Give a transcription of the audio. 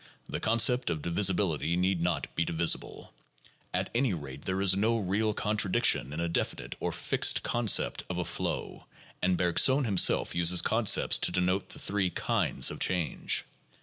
The concept of divisibility need not be divisible. At any rate, there is no real contradiction in a definite or fixed concept of a flow, and Bergson himself uses concepts to denote the three kinds of change.